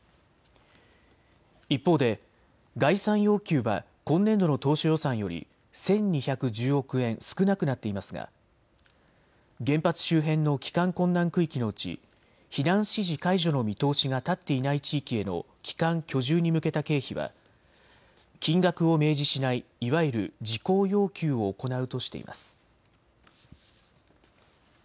一方で概算要求は今年度の当初予算より１２１０億円少なくなっていますが原発周辺の帰還困難区域のうち避難指示解除の見通しが立っていない地域への帰還・居住に向けた経費は金額を明示しない、いわゆる事項要求を行うとしています。